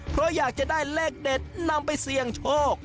เพราะอยากจะได้เลขเด็ดนำไปเสี่ยงโชค